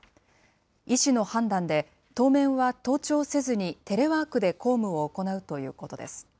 医師の判断で、当面は登庁せずに、テレワークで公務を行うということです。